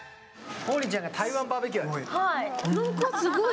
王林ちゃんが台湾バーベキュー。